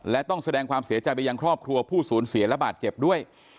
และต้องแสดงความเสียใจไปยังครอบครัวผู้สูญเสียและบาดเจ็บด้วย